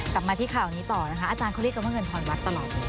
กลับมากับข่าวนี้ต่ออาจารย์เขาเรียกว่าเงินทอนวัดตลอด